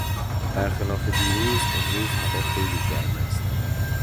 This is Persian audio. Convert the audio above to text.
بر خلاف دیروز امروز هوا خیلی گرم است.